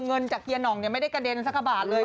เงินจากเฮียหน่องไม่ได้กระเด็นสักกระบาทเลย